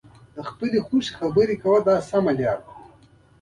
د خپلو خوښیو په اړه خبرې وکړئ دا سمه لاره ده.